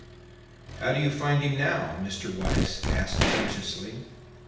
"How do you find him now?" Mr. Weiss asked anxiously.